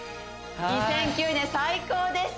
２００９年最高です